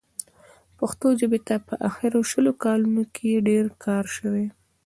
پښتو ژبې ته په اخرو شلو کالونو کې ډېر کار شوی.